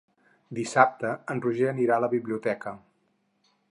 Dissabte en Roger anirà a la biblioteca.